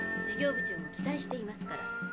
事業部長も期待していますから。